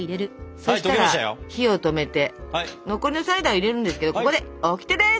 そしたら火を止めて残りのサイダー入れるんですけどここでオキテです！